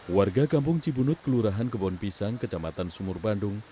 warga kampung cibunut kelurahan kebon pisang kecamatan sumur bandung